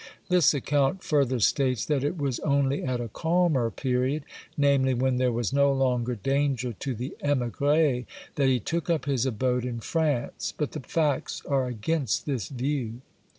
This account further states that it was only at a calmer period, namely, when there was no longer danger to the emigre, that he took up his abode in France. But the facts are against this view.